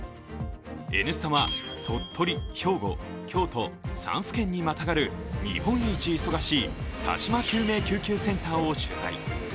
「Ｎスタ」は鳥取、兵庫、京都３府県にまたがる日本一忙しい但馬救命救急センターを取材。